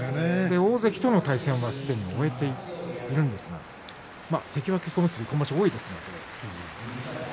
大関との対戦はすでに終えているんですが関脇と小結と、今場所多いですね。